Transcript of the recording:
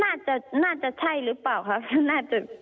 น่าจะน่าจะใช่หรือเปล่าครับน่าจะ